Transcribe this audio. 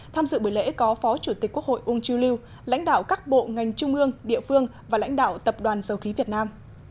tham dự buổi lễ có phó chủ tịch quốc hội ung chiêu lưu lãnh đạo các bộ ngành trung ương địa phương và lãnh đạo tập đoàn dầu khí việt nam